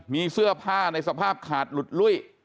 มีเสื้อผ้าในสภาพขาดหลุดลุ้ย